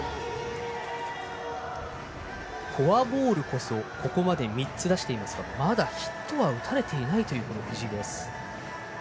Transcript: フォアボールこそ、ここまで３つ出していますが、まだヒットは打たれていないという藤井です。